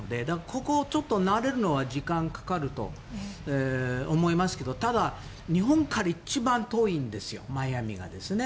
ここを慣れるのは時間がかかると思いますけどただ、日本から一番遠いんですよマイアミが。